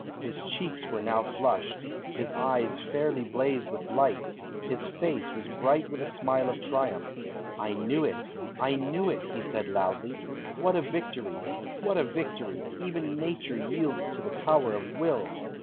His cheeks were now flushed, his eyes fairly blazed with light, his face was bright with a smile of triumph. "I knew it! I knew it!" he said loudly. "What a victory! What a victory! Even Nature yields to the power of Will!"